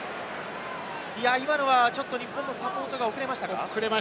今のはちょっと日本のサポートが遅れましたか？